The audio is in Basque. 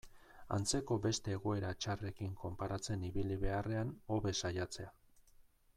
Antzeko beste egoera txarrekin konparatzen ibili beharrean, hobe saiatzea.